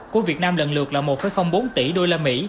của việt nam lần lượt là một bốn tỷ đô la mỹ